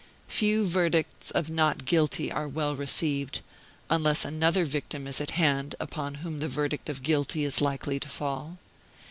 Few verdicts of "Not Guilty" are well received, unless another victim is at hand upon whom the verdict of guilty is likely to fall.